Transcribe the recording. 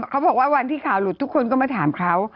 เขาบอกว่าวันที่ข่าวหลุดทุกคนก็มาถามเขา